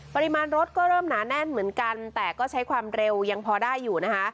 ปริมาณรถก็เริ่มหนาแน่นเหมือนกันแต่ก็ใช้ความเร็วยังพอได้อยู่นะคะ